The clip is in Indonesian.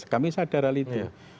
kami sadar hal itu